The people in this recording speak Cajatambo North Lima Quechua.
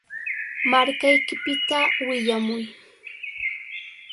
Markaykipita willamuy.